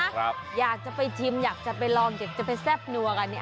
อยากจะไปชิมอยากจะไปลองอยากจะไปแซ่บนัวกันเนี่ย